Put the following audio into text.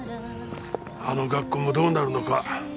あの学校もどうなるのか。